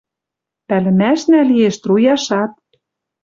Пӓлӹмӓшнӓ лиэш труяшат.